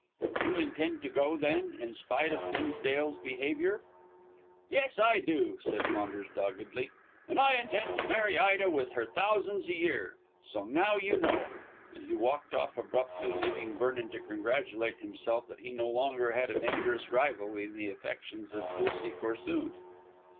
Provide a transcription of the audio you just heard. "You intend to go, then, in spite of Dimsdale's behaviour?" "Yes, I do," said Maunders doggedly; "and I intend to marry Ida with her thousands a year. So now you know." And he walked off abruptly, leaving Vernon to congratulate himself that he no longer had a dangerous rival in the affections of Lucy Corsoon.